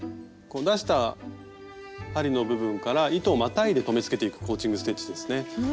出した針の部分から糸をまたいで留めつけていくコーチング・ステッチですね。